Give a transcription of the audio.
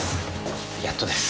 やっとです。